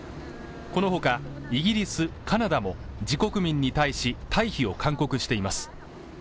このほかイギリスカナダも自国民に対し退避を勧告しています